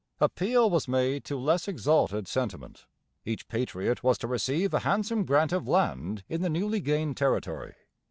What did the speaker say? Appeal was made to less exalted sentiment. Each patriot was to receive a handsome grant of land in the newly gained territory.